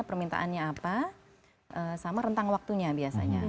tentang perawatan apa sama rentang waktunya biasanya